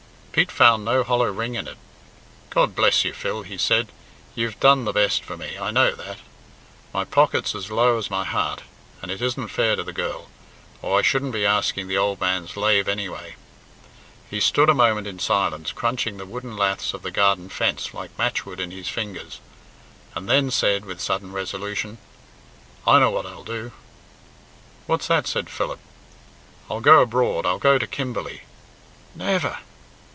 Pete found no hollow ring in it. "God bless you, Phil," he said; "you've done the best for me, I know that. My pocket's as low as my heart, and it isn't fair to the girl, or I shouldn't be asking the ould man's lave anyway." He stood a moment in silence, crunching the wooden laths of the garden fence like matchwood in his fingers, and then said, with sudden resolution, "I know what I'll do." "What's that?" said Philip.. "I'll go abroad; I'll go to Kimberley." "Never!"